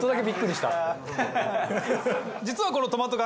実はこのトマト缶。